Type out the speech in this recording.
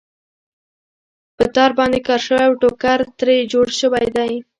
په تار باندې کار شوی او ټوکر ترې جوړ شوی دی.